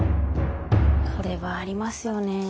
これはありますよね。